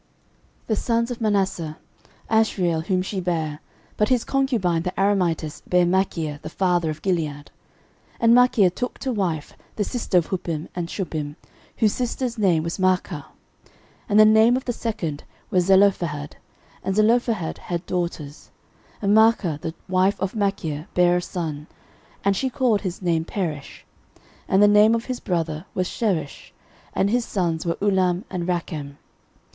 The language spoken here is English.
13:007:014 The sons of Manasseh; Ashriel, whom she bare: (but his concubine the Aramitess bare Machir the father of Gilead: 13:007:015 And Machir took to wife the sister of Huppim and Shuppim, whose sister's name was Maachah;) and the name of the second was Zelophehad: and Zelophehad had daughters. 13:007:016 And Maachah the wife of Machir bare a son, and she called his name Peresh; and the name of his brother was Sheresh; and his sons were Ulam and Rakem.